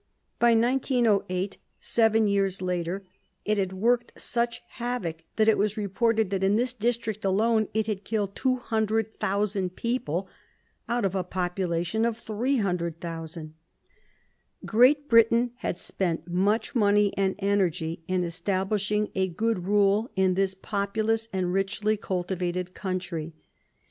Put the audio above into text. By 1908, seven years later, it had worked such havoc that it was reported that in this district alone it had killed 200,000 people out of a population of 300,000. Great Britain had spent much money and energy in establishing a good rule in this populous and richly cultivated country.